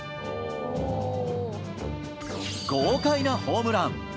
豪快なホームラン。